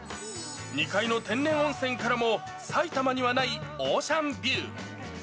２階の天然温泉からも、埼玉にはないオーシャンビュー。